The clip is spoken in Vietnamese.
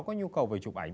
có nhu cầu về chụp ảnh